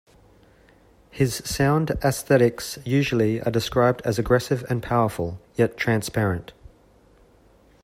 His sound aesthetics usually are described as aggressive and powerful, yet transparent.